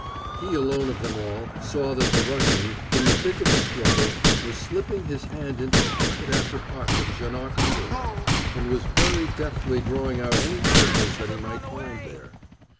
He alone of them all saw that the Russian, in the thick of the struggle, was slipping his hand into pocket after pocket of Janoc under him, and was very deftly drawing out any papers that he might find there.